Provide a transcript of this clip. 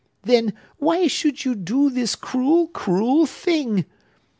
Then, why should you do this cruel, cruel thing?